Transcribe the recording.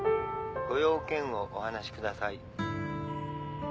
ご用件をお話しください。